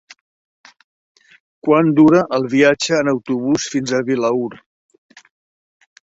Quant dura el viatge en autobús fins a Vilaür?